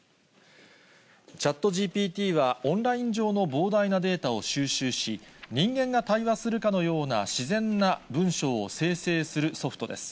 ＣｈａｔＧＰＴは、オンライン上の膨大なデータを収集し、人間が対話するかのような自然な文章を生成するソフトです。